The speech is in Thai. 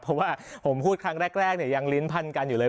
เพราะว่าผมพูดครั้งแรกยังลิ้นพันกันอยู่เลย